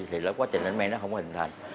thì quá trình lên men nó không có hình thành